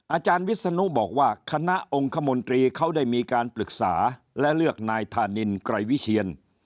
อาจารย์วิศนุบอกว่าคณะองค์คมนตรีเขาได้มีการปรึกษาและเลือกนายธานินไกรวิเชียน